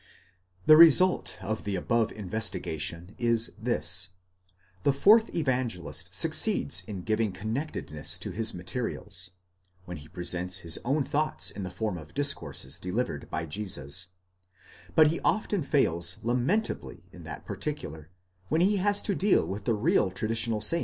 ᾿ The result of the above investigation is this: the fourth Evangelist succeeds in giving connectedness to his materials, when he presents his own thoughts in the form of discourses delivered by Jesus ; but he often fails lamentably in that particular, when he has to deal with the real traditional sayings of Jesus.